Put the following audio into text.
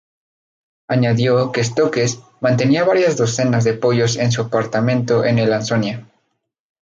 Añadió que Stokes "mantenía varias docenas de pollos en su apartamento en el Ansonia".